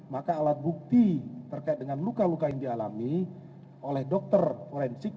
maka alat bukti terkait dengan luka luka yang dialami oleh dokter forensik